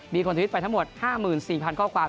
คนทวิตไปทั้งหมด๕๔๐๐ข้อความ